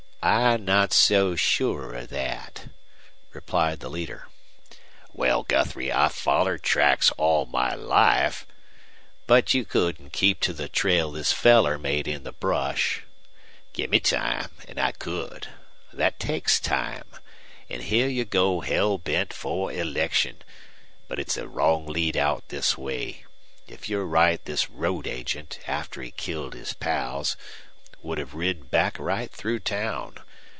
"I'm not so sure of that," replied the leader. "Wal, Guthrie, I've follored tracks all my life ' "But you couldn't keep to the trail this feller made in the brush." "Gimme time, an' I could. Thet takes time. An' heah you go hell bent fer election! But it's a wrong lead out this way. If you're right this road agent, after he killed his pals, would hev rid back right through town.